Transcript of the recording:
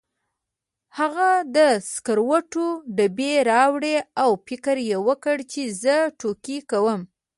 هغه د سګرټو ډبې راوړې او فکر یې وکړ چې زه ټوکې کوم.